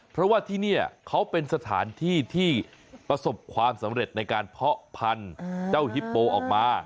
เพราะว่าที่นี่เขาเป็นสถานที่ที่ประสบความสำเร็จในการเพาะพันธุ์เจ้าฮิปโปออกมา